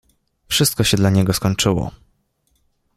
Wszystko się dla niego skończyło!